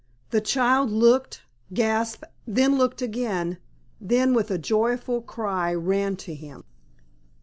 The child looked, gasped, then looked again, then with a joyful cry ran to him.